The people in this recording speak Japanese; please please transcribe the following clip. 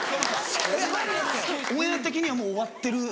オンエア的にはもう終わってる。